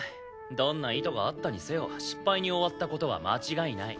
どんな意図があったにせよ失敗に終わった事は間違いない。